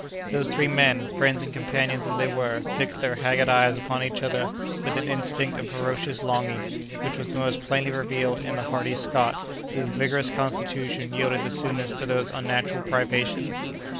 Those three men, friends and companions as they were, fixed their haggard eyes upon each other with an instinct of ferocious longing, which was most plainly revealed in the hardy Scot, whose vigorous constitution yielded the soonest to these unnatural privations.